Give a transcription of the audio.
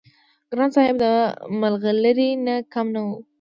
ګران صاحب د ملغلرې نه کم نه وو-